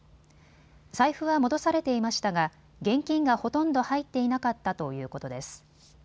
財布は戻されていましたが現金がほとんど入っていなかったということです。